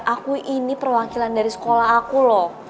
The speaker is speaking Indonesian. aku ini perwakilan dari sekolah aku loh